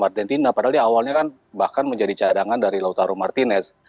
padahal dia awalnya kan bahkan menjadi cadangan dari lautaro martinez